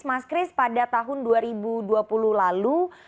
mas kris pada tahun dua ribu dua puluh lalu